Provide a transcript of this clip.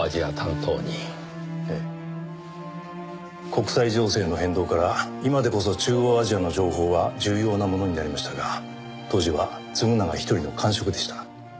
国際情勢の変動から今でこそ中央アジアの情報は重要なものになりましたが当時は嗣永一人の閑職でした。